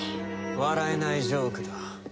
笑えないジョークだ。